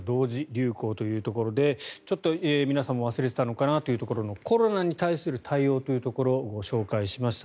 流行というところでちょっと皆さんも忘れてたのかなというところのコロナに対する対応というところをご紹介しました。